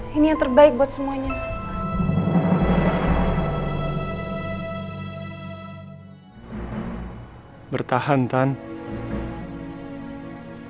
kamu harus menurut apa kata mama